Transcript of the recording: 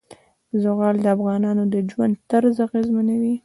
زغال د افغانانو د ژوند طرز اغېزمنوي.